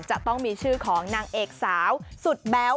จะต้องมีชื่อของนางเอกสาวสุดแบ๊ว